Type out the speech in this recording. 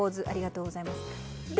ありがとうございます。